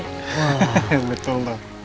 hah betul dong